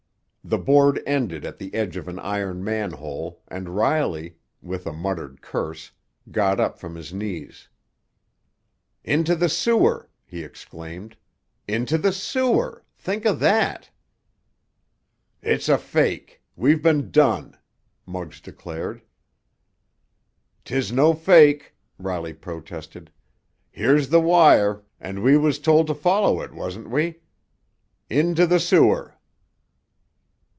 The board ended at the edge of an iron manhole, and Riley, with a muttered curse, got up from his knees. "Into the sewer!" he exclaimed. "Into the sewer! Think o' that!" "It's a fake—we've been done!" Muggs declared. "'Tis no fake!" Riley protested. "Here's the wire, and we was told to follow it, wasn't we? Into the sewer!"